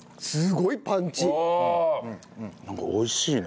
なんか美味しいね。